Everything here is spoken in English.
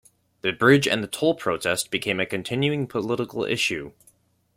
The bridge, and the toll protest, became a continuing political issue.